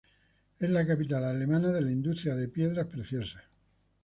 Es la capital alemana de la industria de piedras preciosas.